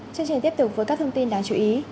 chương trình tiếp tục với các thông tin đáng chú ý